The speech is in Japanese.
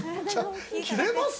切れます？